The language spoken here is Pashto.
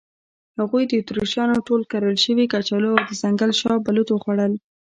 هغوی د اتریشیانو ټول کرل شوي کچالو او د ځنګل شاه بلوط وخوړل.